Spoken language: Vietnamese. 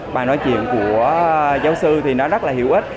bài nói chuyện của giáo sư thì nó rất là hữu ích